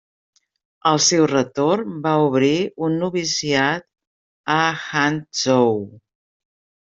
Al seu retorn va obrir un noviciat a Hangzhou.